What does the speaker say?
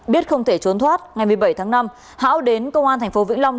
biết không thể trốn thoát ngày một mươi bảy tháng năm hảo đến công an thành phố vĩnh long